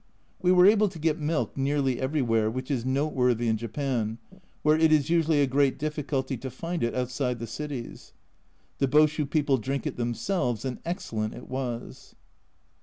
We were able to get milk nearly everywhere, which is noteworthy in Japan, where it is usually a great difficulty to find it outside the cities. The Boshu people drink it themselves, and excellent it was.